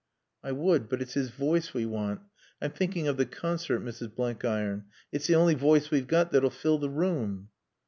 "I would, but it's his voice we want. I'm thinking of the concert, Mrs. Blenkiron. It's the only voice we've got that'll fill the room."